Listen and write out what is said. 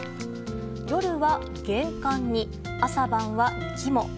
夜は厳寒に、朝晩は雪も。